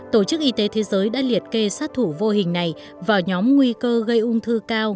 tổ chức y tế thế giới đã liệt kê sát thủ vô hình này vào nhóm nguy cơ gây ung thư cao